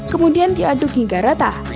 kemudian diaduk hingga rata